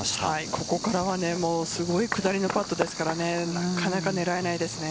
ここからはすごい下りのパットですからなかなか狙えないですね。